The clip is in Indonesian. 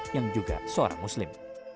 yang juga seorang muslim